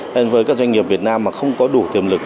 nên với các doanh nghiệp việt nam mà không có đủ tiềm lực